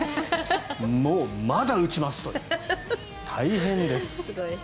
もうまだ打ちますという大変です。